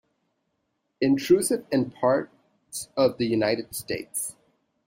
Intrusive in parts of the United States.